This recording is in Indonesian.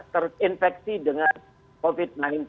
terinfeksi dengan covid sembilan belas